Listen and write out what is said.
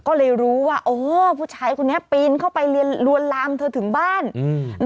ก็เลยรู้ว่าอ๋อผู้ชายคนนี้ปีนเข้าไปเรียนลวนลามเธอถึงบ้านอืม